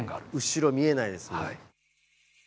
後ろ見えないですもん。